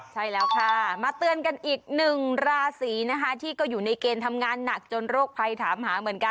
ใช่แล้วค่ะมาเตือนกันอีกหนึ่งราศีนะคะที่ก็อยู่ในเกณฑ์ทำงานหนักจนโรคภัยถามหาเหมือนกัน